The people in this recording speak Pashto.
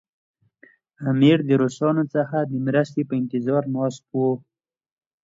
امیر د روسانو څخه د مرستې په انتظار ناست وو.